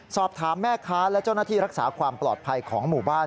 สอบถามแม่ค้าและเจ้าหน้าที่รักษาความปลอดภัยของหมู่บ้าน